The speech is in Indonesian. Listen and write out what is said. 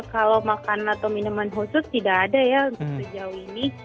kalau makanan atau minuman khusus tidak ada ya untuk sejauh ini